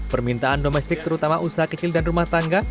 permintaan domestik terutama usaha kecil dan rumah tangga